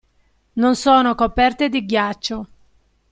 Non sono coperte di ghiaccio.